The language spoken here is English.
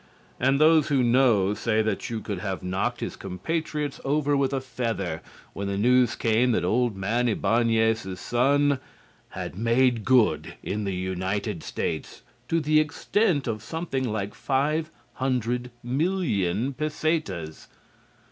And those who know say that you could have knocked his compatriots over with a feather when the news came that old man Ibáñez's son had made good in the United States to the extent of something like five hundred million pesetas.